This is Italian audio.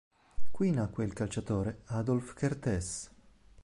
Qui nacque il calciatore Adolf Kertész.